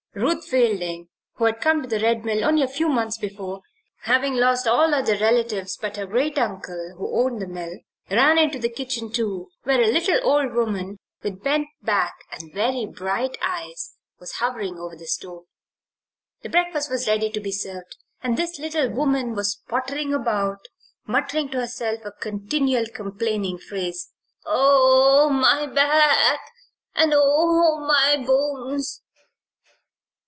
Ruth Fielding, who had come to the Red Mill only a few months before, having lost all other relatives but her great uncle, who owned the mill, ran into the kitchen, too, where a little old woman, with bent back and very bright eyes, was hovering over the stove. The breakfast was ready to be served and this little woman was pottering about, muttering to herself a continual complaining phrase: "Oh, my back and oh, my bones!"